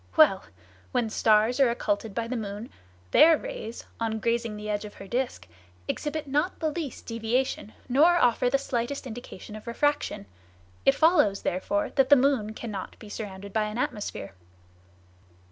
Well! When stars are occulted by the moon, their rays, on grazing the edge of her disc, exhibit not the least deviation, nor offer the slightest indication of refraction. It follows, therefore, that the moon cannot be surrounded by an atmosphere.